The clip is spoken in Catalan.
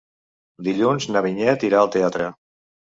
Dilluns na Vinyet irà al teatre.